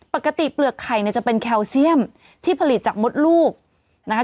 ปกติเปลือกไข่เนี่ยจะเป็นแคลเซียมที่ผลิตจากมดลูกนะคะ